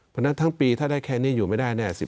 เพราะฉะนั้นทั้งปีถ้าได้แค่นี้อยู่อยู่ไม่ได้